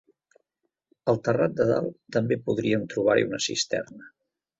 Al terrat de dalt també podíem trobar-hi una cisterna.